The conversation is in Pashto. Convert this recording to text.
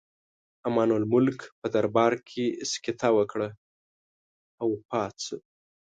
امان الملک په دربار کې سکته وکړه او وفات شو.